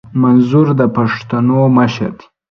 منظور د پښتنو مشر دي